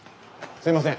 すいません。